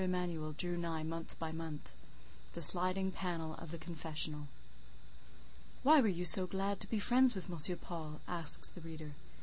Emanuel drew nigh month by month—the sliding panel of the confessional. "Why were you so glad to be friends with M. Paul?" asks the reader.